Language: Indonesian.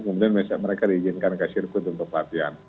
kemudian mereka diizinkan ke sirkuit untuk latihan